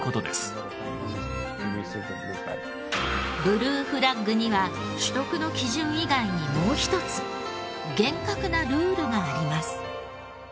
ブルーフラッグには取得の基準以外にもう一つ厳格なルールがあります。